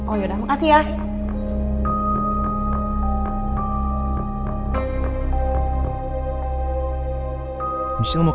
oh yaudah makasih ya